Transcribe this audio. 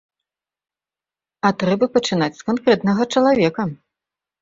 А трэба пачынаць з канкрэтнага чалавека.